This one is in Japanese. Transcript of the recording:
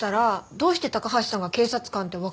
どうして高橋さんが警察官ってわかったんですかね？